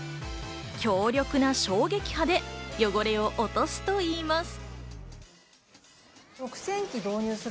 強力な衝撃波で汚れを落とすといいます。